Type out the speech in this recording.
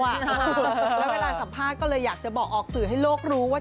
แล้วเวลาสัมภาษณ์ก็เลยอยากจะบอกออกสื่อให้โลกรู้ว่า